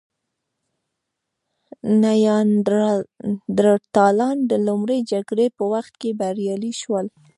نیاندرتالان د لومړۍ جګړې په وخت کې بریالي شول.